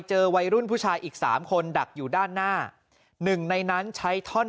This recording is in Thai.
เจอวัยรุ่นผู้ชายอีกสามคนดักอยู่ด้านหน้าหนึ่งในนั้นใช้ท่อน